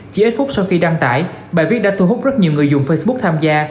chỉ ít phút sau khi đăng tải bài viết đã thu hút rất nhiều người dùng facebook tham gia